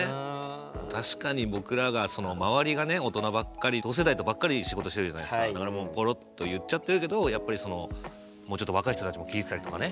確かに僕らが周りがね大人ばっかり同世代とばっかり仕事してるじゃないですかだからポロッと言っちゃってるけどやっぱりそのもうちょっと若い人たちも聞いてたりとかね。